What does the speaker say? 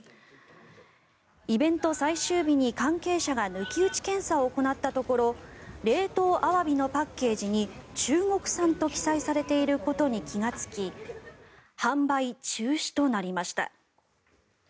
イベント最終日に関係者が抜き打ち検査を行ったところ冷凍アワビのパッケージに中国産と記載されていることに気がつき販売中止となりました。